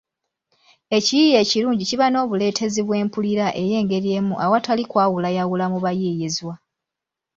Ekiyiiye ekilungi kiba n’obuleetezi bw’empulira ey’engeri emu awatali kwawulayawula mu bayiiyizwa